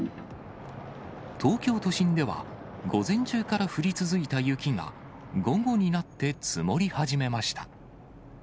東京都心では、午前中から降り続いた雪が、午後になって積もり始めました。